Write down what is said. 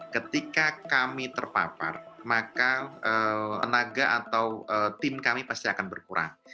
ketika kami terpapar maka tenaga atau tim kami pasti akan berkurang